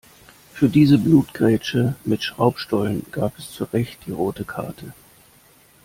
Für diese Blutgrätsche mit Schraubstollen gab es zurecht die rote Karte.